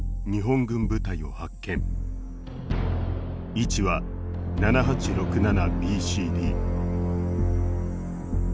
位置は７８６７ＢＣＤ。